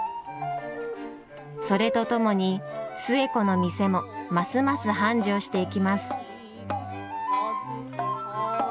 それとともに寿恵子の店もますます繁盛していきます。